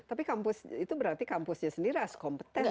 tapi kampus itu berarti kampusnya sendiri as kompeten kan